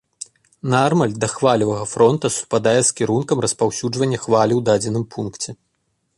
Нармаль да хвалевага фронта супадае з кірункам распаўсюджвання хвалі ў дадзеным пункце.